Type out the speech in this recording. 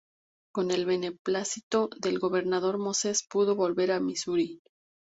Con el beneplácito del gobernador, Moses pudo volver a Misuri.